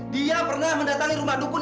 dia pernah mendatangi rumah dukun